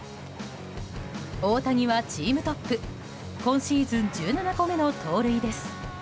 大谷はチームトップ今シーズン１７個目の盗塁です。